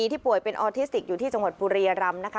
ที่ป่วยเป็นออทิสติกอยู่ที่จังหวัดบุรียรำนะคะ